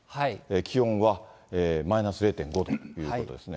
気温はマイナス０．５ということですね。